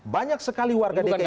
banyak sekali warga dki jakarta